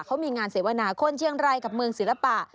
เขามีงานเสวนาคนเชียงรายกับเมืองศิลปะ